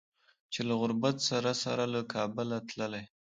چې له غربت سره سره له کابله تللي